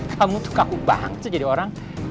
kamu tuh kaku banget tuh jadi orang